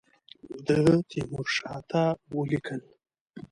ده تیمورشاه ته ولیکل.